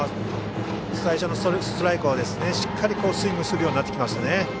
最初のストライクをしっかりとスイングするようになってきました。